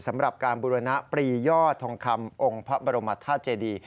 สำหรับการบุรณปรียอดทองคำองค์พระบรมธาตุเจดี